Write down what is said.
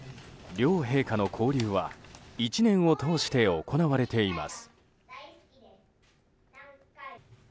両陛下の交流は１年を通して行われています。